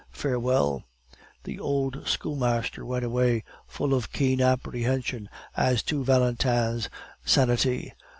Farewell." The old schoolmaster went away, full of keen apprehension as to Valentin's sanity.